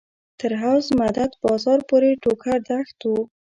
تر حوض مدد بازار پورې ټوکر دښت و.